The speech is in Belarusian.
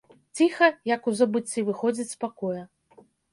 Ціха, як у забыцці, выходзіць з пакоя.